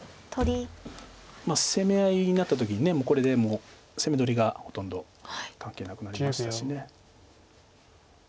攻め合いになった時にこれで攻め取りがほとんど関係なくなりましたし。